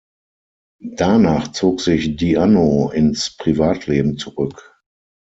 Danach zog sich Di’Anno ins Privatleben zurück.